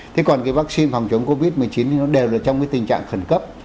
thế còn cái vaccine phòng chống covid một mươi chín thì nó đều là trong cái tình trạng khẩn cấp